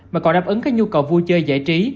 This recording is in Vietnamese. mà còn đáp ứng các nhu cầu vui chơi giải trí